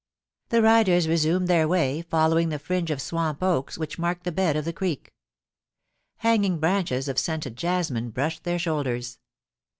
The riders resumed their way, following the fringe of swamp oaks which marked the bed of the creek. Hanging branches of scented jasmine brushed their shoulders.